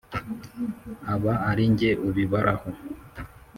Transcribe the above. aba ari jye ubibaraho